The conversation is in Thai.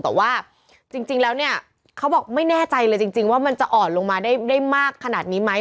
แต่ว่าจริงแล้วเนี่ยเขาบอกไม่แน่ใจเลยจริงว่ามันจะอ่อนลงมาได้มากขนาดนี้ไหม